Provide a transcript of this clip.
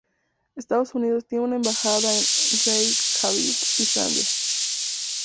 Estados Unidos tiene una embajada en Reykjavik, Islandia.